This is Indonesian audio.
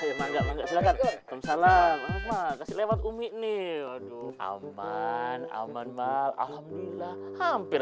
ya mangga mangga silakan salam kasih lewat umi nih aduh aman aman malam alhamdulillah hampir